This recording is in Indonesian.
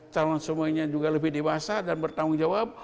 calon semuanya juga lebih dewasa dan bertanggung jawab